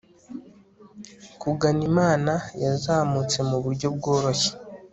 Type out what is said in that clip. kugana imana yazamutse mu buryo bworoshye